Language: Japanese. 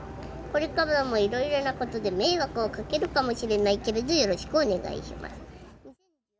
「これからも色々なことで迷惑をかけるかもしれないけれど」「よろしくお願いします」